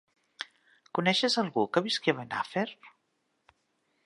Coneixes algú que visqui a Benafer?